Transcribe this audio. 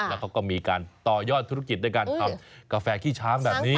แล้วเขาก็มีการต่อยอดธุรกิจด้วยการทำกาแฟขี้ช้างแบบนี้